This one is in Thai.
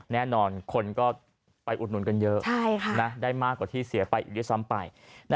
แน่นอนคนก็ไปอุดหนุนกันเยอะได้มากกว่าที่เสียไปอีกด้วยซ้ำไป